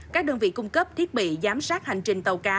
các đơn vị cung cấp thiết bị giám sát hành trình tàu cá